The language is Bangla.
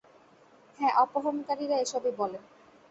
হ্যাঁ, অপহরণকারীরা এসবই বলে।